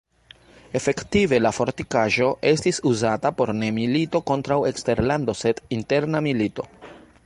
Efektive la fortikaĵo estis uzata por ne milito kontraŭ eksterlando sed interna milito.